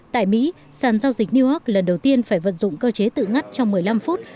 tại mỹ sàn giao dịch newark lần đầu tiên phải vận dụng cơ chế tự ngắt trong một mươi năm phút